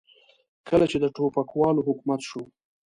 کله چې د ټوپکوالو حکومت شو.